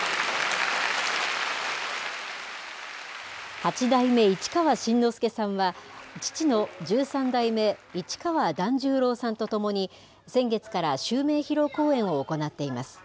八代目市川新之助さんは、父の十三代目市川團十郎さんと共に、先月から襲名披露公演を行っています。